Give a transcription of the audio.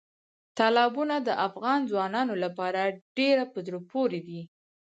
تالابونه د افغان ځوانانو لپاره ډېره په زړه پورې دي.